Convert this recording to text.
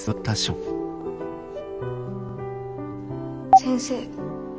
先生。